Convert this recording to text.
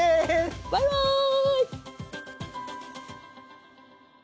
バイバーイ！